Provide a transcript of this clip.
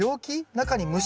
中に虫が？